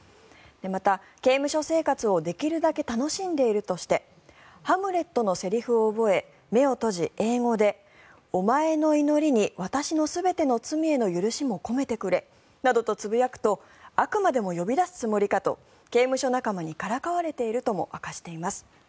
また、刑務所生活をできるだけ楽しんでいるとして「ハムレット」のセリフを覚え目を閉じ、英語でお前の祈りに私の全ての罪への許しも込めてくれなどとつぶやくと悪魔でも呼び出すつもりかと刑務所仲間にからかわれているとも明かしています。